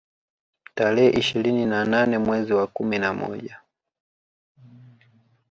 Tarehe ishirini na nane mwezi wa kumi na moja